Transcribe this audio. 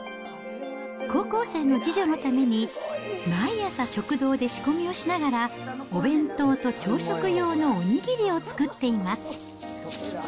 高校生の次女のために、毎朝食堂で仕込みをしながら、お弁当と朝食用のお握りを作っています。